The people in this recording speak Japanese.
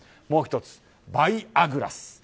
もう１つ、バイアグラス。